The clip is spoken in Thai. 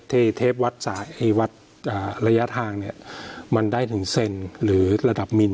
ที่เทพวัดระยะทางเนี่ยมันได้ถึงเซนหรือระดับมิล